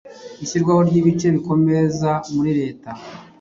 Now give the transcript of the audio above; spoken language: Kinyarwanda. Ishyirwaho ryibice bikomeza Muri leta